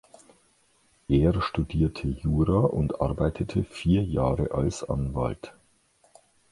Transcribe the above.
Er studierte Jura und arbeitete vier Jahre als Anwalt.